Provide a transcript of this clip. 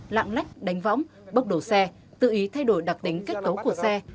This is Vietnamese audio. lạng lách đánh võng bốc đổ xe tự ý thay đổi đặc tính kết cấu của xe